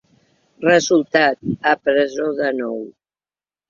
Resultat: a presó de nou.